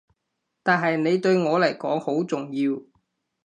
但係你對我嚟講好重要